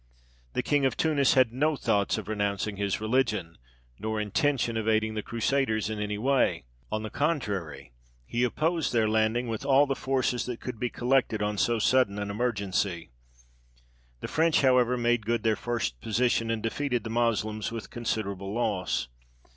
The king of Tunis had no thoughts of renouncing his religion, nor intention of aiding the Crusaders in any way. On the contrary, he opposed their landing with all the forces that could be collected on so sudden an emergency. The French, however, made good their first position, and defeated the Moslems with considerable loss.